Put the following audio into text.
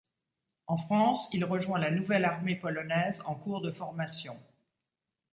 En France il rejoint la nouvelle armée polonaise en cours de formation.